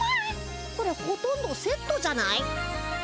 これほとんどセットじゃない？